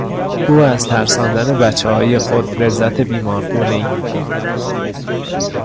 او از ترساندن بچههای خود لذت بیمارگونهای میبرد.